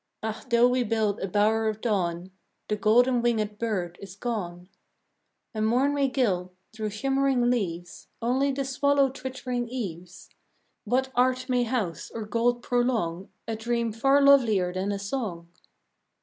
Ah, though we build a bower of dawn, The golden wingèd bird is gone, And morn may gild, through shimmering leaves, Only the swallow twittering eaves. What art may house or gold prolong A dream far lovelier than a song?